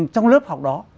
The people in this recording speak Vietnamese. trong lớp học đó